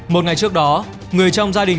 một ngày trước đó người trong gia đình